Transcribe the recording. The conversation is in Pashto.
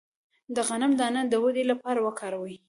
د غنم دانه د ودې لپاره وکاروئ